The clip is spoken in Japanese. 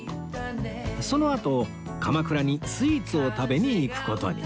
そのあと鎌倉にスイーツを食べに行く事に